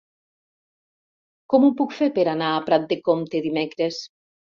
Com ho puc fer per anar a Prat de Comte dimecres?